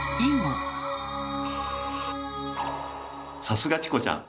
さすがチコちゃん！